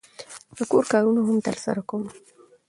د کور کارونه هم ترسره کوم.